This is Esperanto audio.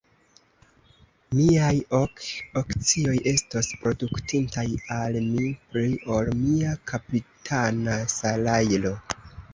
Miaj ok akcioj estos produktintaj al mi pli ol mia kapitana salajro.